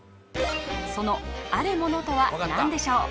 そのあるものとは何でしょう？